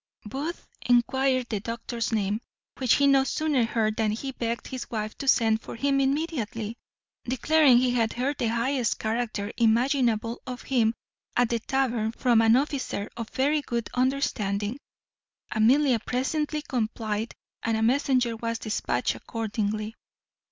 Booth enquired the doctor's name, which he no sooner heard than he begged his wife to send for him immediately, declaring he had heard the highest character imaginable of him at the Tavern from an officer of very good understanding. Amelia presently complied, and a messenger was despatched accordingly.